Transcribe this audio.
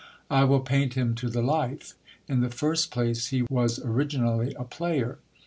I will paint him to the life In the first place, he was originally a player.